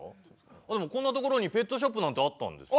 あっでもこんな所にペットショップなんてあったんですね。